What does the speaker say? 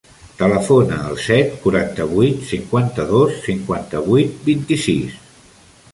Telefona al set, quaranta-vuit, cinquanta-dos, cinquanta-vuit, vint-i-sis.